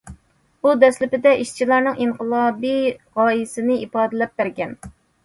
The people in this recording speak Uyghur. ئۇ دەسلىپىدە ئىشچىلارنىڭ ئىنقىلابىي غايىسىنى ئىپادىلەپ بەرگەن.